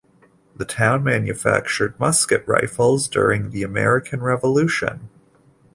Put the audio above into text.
The town manufactured musket rifles during the American Revolution.